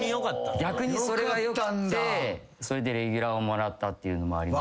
逆にそれがよくてそれでレギュラーをもらったっていうのもあります。